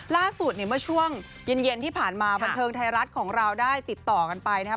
ล่าสุดเนี่ยเมื่อช่วงเย็นที่ผ่านมาบันเทิงไทยรัฐของเราได้ติดต่อกันไปนะครับ